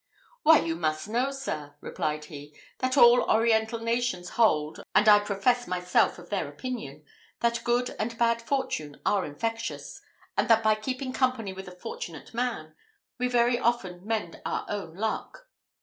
"Why you must know, sir," replied he, "that all Oriental nations hold and I profess myself of their opinion that good and bad fortune are infectious; and that by keeping company with a fortunate man, we very often may mend our own luck.